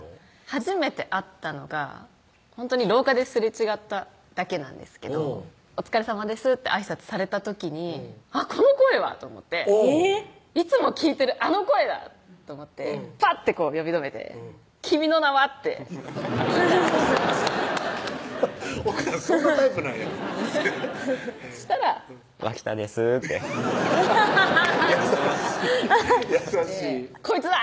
初めて会ったのがほんとに廊下ですれ違っただけなんですけど「お疲れさまです」ってあいさつされた時にあっこの声はと思ってうんいつも聞いてるあの声だと思ってぱって呼び止めて「君の名は？」って奥さんそんなタイプなんやそしたら「脇田です」って優しいこいつだ！